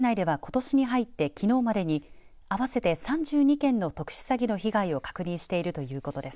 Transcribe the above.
県警察本部によりますと県内ではことしに入ってきのうまでに合わせて３２件の特殊詐欺の被害を確認しているということです。